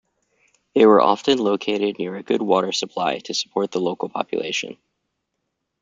They were often located near a good water supply to support the local population.